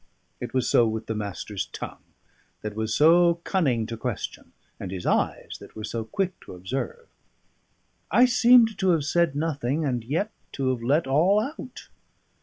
It was so with the Master's tongue, that was so cunning to question; and his eyes, that were so quick to observe. I seemed to have said nothing, and yet to have let all out.